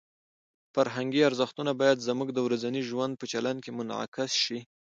فرهنګي ارزښتونه باید زموږ د ورځني ژوند په چلند کې منعکس شي.